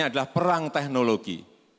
ini adalah perang teknologi